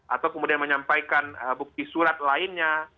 atau kemudian menyampaikan bukti surat lainnya